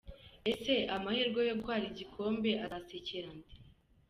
Ese amahirwe yo gutwara igikombe azasekera nde?.